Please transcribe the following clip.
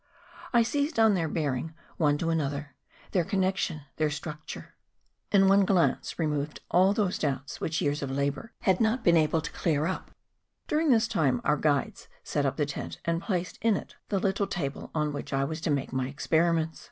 I seized on their bearing one to another, their connexion, their structure; and one glance re 8 MOUNTAIN ADVENTURES. moved all those doubts which years of labour had not been able to clear up. During this time our guides set up the tent and placed in it the little table on which 1 was to make my experiments.